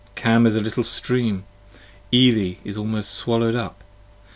Cam is a little stream! Ely is almost swallowed up!